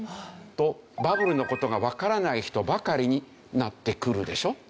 とバブルの事がわからない人ばかりになってくるでしょ。